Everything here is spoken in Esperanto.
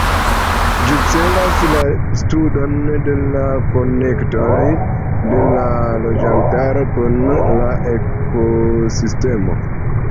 Ĝi celas la studon de la konektoj de la loĝantaro kun la ekosistemo.